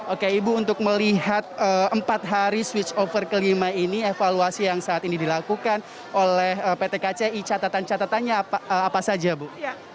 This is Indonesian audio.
oke ibu untuk melihat empat hari switch over kelima ini evaluasi yang saat ini dilakukan oleh pt kci catatan catatannya apa saja bu